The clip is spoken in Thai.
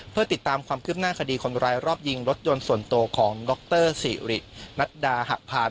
เพื่อติดตามความคืบหน้าคดีคนร้ายรอบยิงรถยนต์ส่วนตัวของดรสิรินัดดาหะพาน